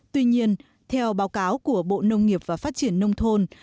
tuy nhiên theo báo cáo của bộ nông nghiệp và phát triển nông thôn